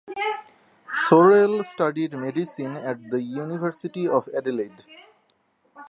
Sorrell studied medicine at the University of Adelaide.